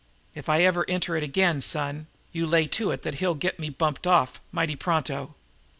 If I ever enter it again, son, you lay to it that he'll get me bumped off, mighty pronto."